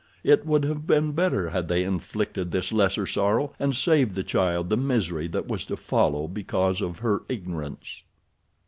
It would have been better had they inflicted this lesser sorrow, and saved the child the misery that was to follow because of her ignorance.